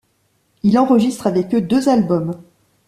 Il enregistre avec eux deux albums.